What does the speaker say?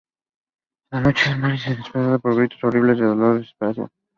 Esa noche Amalric es despertado por gritos horribles de dolor y desesperación.